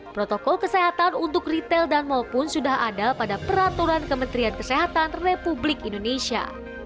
protokol kesehatan untuk retail dan mall pun sudah ada pada peraturan kementerian kesehatan republik indonesia